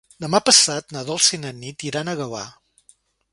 Demà passat na Dolça i na Nit iran a Gavà.